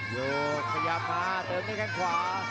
โยชน์พยายามมาเติมด้วยข้างขวา